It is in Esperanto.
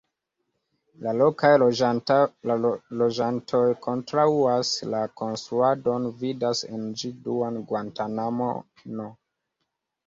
La lokaj loĝantoj kontraŭas la konstruadon, vidas en ĝi duan Guantanamo-n.